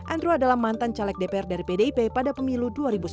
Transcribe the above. andrew adalah mantan caleg dpr dari pdip pada pemilu dua ribu sembilan belas